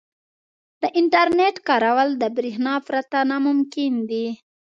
• د انټرنیټ کارول د برېښنا پرته ناممکن دي.